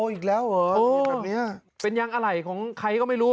อ๋ออีกแล้วเหรอเป็นยางอะไหล่ของใครก็ไม่รู้